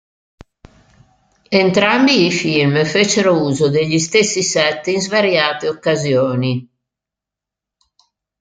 Entrambi i film fecero uso degli stessi set in svariate occasioni.